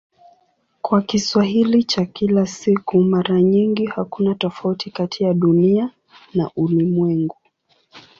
Kwa Kiswahili cha kila siku mara nyingi hakuna tofauti kati ya "Dunia" na "ulimwengu".